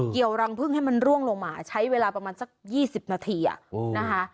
เกี่ยวรังพึ่งให้มันร่วงลงมาใช้เวลาประมาณสัก๒๐นาทีนะคะ